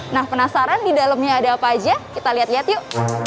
nah penasaran di dalamnya ada apa aja kita lihat lihat yuk